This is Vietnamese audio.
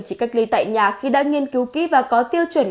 chỉ cách ly tại nhà khi đã nghiên cứu kỹ và có tiêu chuẩn